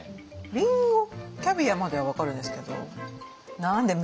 りんごキャビアまでは分かるんですけど何でめざし？